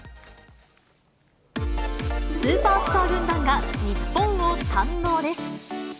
スーパースター軍団が日本を堪能です。